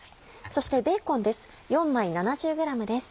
そしてベーコンです。